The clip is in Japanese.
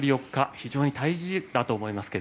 非常に大事だと思います。